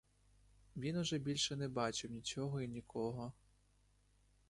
Він уже більше не бачив нічого й нікого.